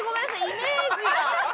イメージが。